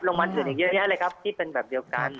วันอื่นอีกเยอะแยะเลยครับที่เป็นแบบเดียวกัน